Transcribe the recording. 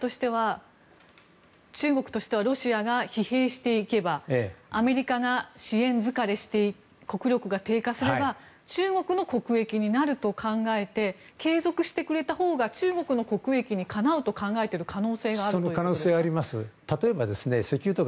中国としてはロシアが疲弊していけばアメリカが支援疲れして国力が低下すれば中国の国益になると考えて継続してくれたほうが中国の国益にかなうと考えている可能性があるということでしょうか。